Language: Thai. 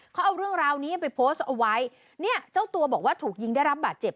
เขาเอาเรื่องราวนี้ไปโพสต์เอาไว้เนี่ยเจ้าตัวบอกว่าถูกยิงได้รับบาดเจ็บ